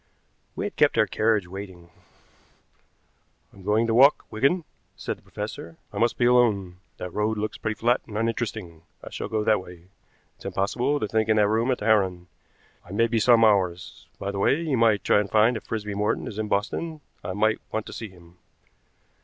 We had kept our carriage waiting. "I'm going to walk, Wigan," said the professor. "I must be alone. That road looks pretty flat and uninteresting; I shall go that way. It's impossible to think in that room at the Heron. I may be some hours. By the way, you might try and find out if Frisby Morton is in Boston. I might want to see him."